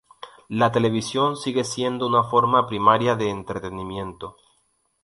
La televisión sigue siendo una forma primaria de entretenimiento.